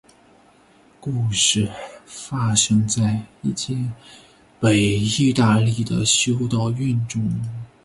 故事发生在一间北意大利的修道院中。